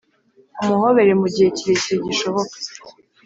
umuhobere mu gihe kirekire gishoboka